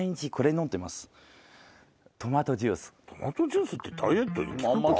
トマトジュースってダイエットに効くか？